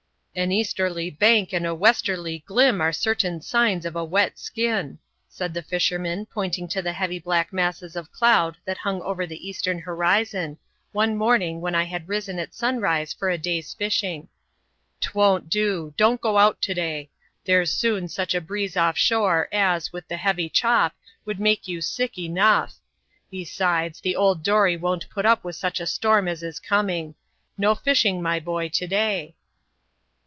"An easterly bank and a westerly glim are certain signs of a wet skin!" said the fisherman, pointing to the heavy black masses of cloud that hung over the eastern horizon, one morning when I had risen at sunrise for a day's fishing. "'T won't do; don't go out to day! There's soon such a breeze off shore, as, with the heavy chop, would make you sick enough! Besides, the old dory won't put up with such a storm as is coming. No fishing, my boy, to day."